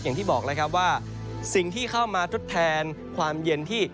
อย่างที่บอกแล้วครับว่าสิ่งที่เข้ามาทดแทนความเย็นที่